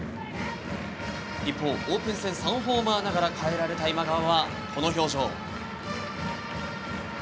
一方、オープン戦３ホーマーながら代えられた今川は、この表情。